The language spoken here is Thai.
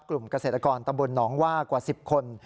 กลุ่มเกษตรกรตำบลหนองว่ากว่า๑๐คน